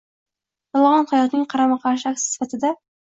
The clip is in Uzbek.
- “yolg‘on hayotning” qarama-qarshi aksi sifatida